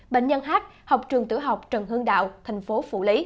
bệnh nhân h là học sinh trường tiểu học trần hương đạo thành phố phủ lý